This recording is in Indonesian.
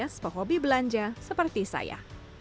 dan juga memiliki hobi belanja seperti saya